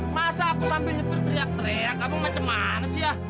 masa aku sambil nyetir teriak teriak abang macem mana sih ya